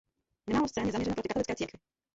Nemálo scén je zaměřeno proti katolické církvi.